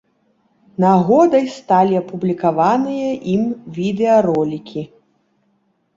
Нагодай сталі апублікаваныя ім відэаролікі.